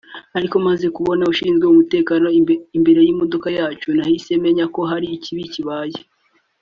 Ariko maze kubona ushinzwe umutekano imbere y’ imodoka yacu nahise menya ko hari kibi kibaye